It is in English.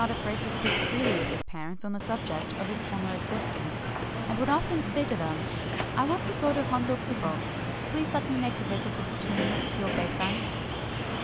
284 THE REBIRTH OF KATSUGORO with his parents on the subject of his former existence, and would often say to them :" I want to go to Hodokubo. Please let me make a visit to the tomb of Kyiibei San."